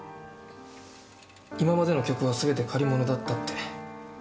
今までの曲はすべて借り物だったって。